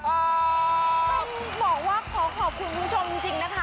ต้องบอกว่าขอขอบคุณคุณผู้ชมจริงนะคะ